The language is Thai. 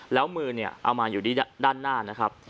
แล้วมือเอามาอยู่ด้านหน้านะครับ